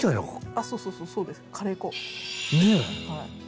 あそうそうそうですカレー粉。ね！